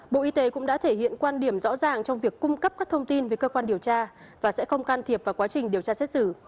bộ y tế cũng đã thể hiện quan điểm rõ ràng trong việc cung cấp các thông tin với cơ quan điều tra và sẽ không can thiệp vào quá trình điều tra xét xử